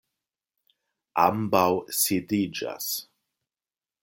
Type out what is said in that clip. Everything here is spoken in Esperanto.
Ambaŭ sidiĝas.